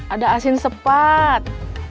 ada asin sepat